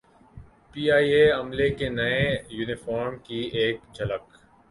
P I A عملے کے نئے یونیفارم کی ایک جھلک